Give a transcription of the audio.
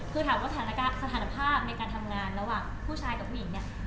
คือถามว่าสถานภาพในการทำงานระหว่างผู้ชายกับผู้หญิงเนี่ย